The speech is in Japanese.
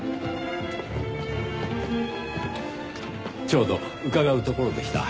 ちょうど伺うところでした。